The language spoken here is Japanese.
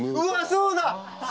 そうだ！